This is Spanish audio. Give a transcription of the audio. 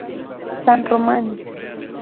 San Román